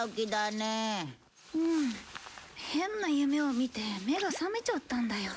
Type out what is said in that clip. うん変な夢を見て目が覚めちゃったんだよ。